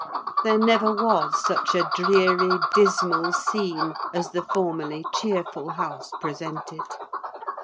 There never was such a dreary, dismal scene as the formerly cheerful house presented!